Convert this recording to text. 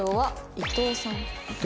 伊藤さん。